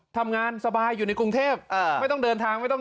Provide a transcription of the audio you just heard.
ทำงานสบายอยู่ในกรุงเทพไม่ต้องเดินทางไม่ต้อง